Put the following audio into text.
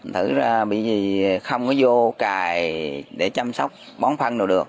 thử ra bị gì không có vô cài để chăm sóc bón phăn đồ được